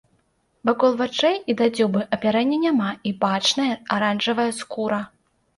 Вакол вачэй і да дзюбы апярэння няма і бачная аранжавая скура.